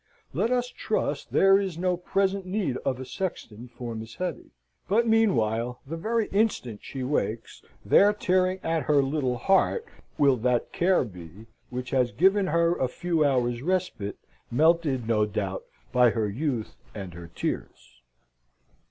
Let us trust there is no present need of a sexton for Miss Hetty. But meanwhile, the very instant she wakes, there, tearing at her little heart, will that Care be, which has given her a few hours' respite, melted, no doubt, by her youth and her tears.